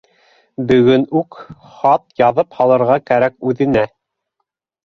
Бөгөн үк хат яҙып һалырға кәрәк үҙенә